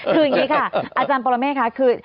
คืออย่างนี้ค่ะอาจารย์ปรเมฆค่ะคือ